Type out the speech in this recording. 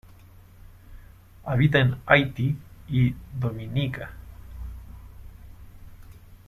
Habita en Haiti y Dominica.